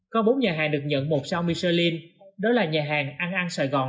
có bốn nhà hàng được nhận một sao michelin đó là nhà hàng ăn sài gòn